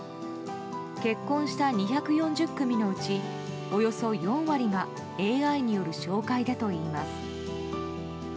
結婚した２４０組のうちおよそ４割がＡＩによる紹介だといいます。